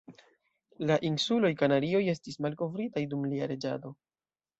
La Insuloj Kanarioj estis malkovritaj dum lia reĝado.